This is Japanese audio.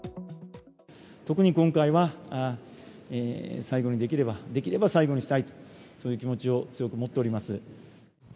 特に今回は、最後にできれば、できれば最後にしたいと、そういう気持ちを強く持っております。